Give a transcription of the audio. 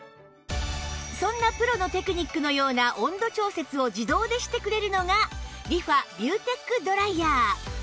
そんなプロのテクニックのような温度調節を自動でしてくれるのがリファビューテックドライヤー